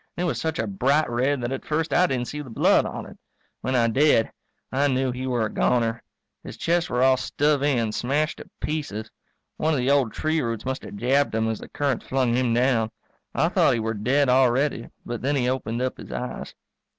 And it was such a bright red that at first I didn't see the blood on it. When I did I knew he were a goner. His chest were all stove in, smashed to pieces. One of the old tree roots must have jabbed him as the current flung him down. I thought he were dead already, but then he opened up his eyes.